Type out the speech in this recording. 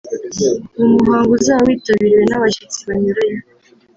mu muhango uzaba witabiriwe n’abashyitsi banyuranye